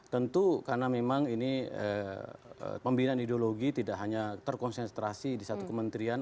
tentu karena memang ini pembinaan ideologi tidak hanya terkonsentrasi di satu kementerian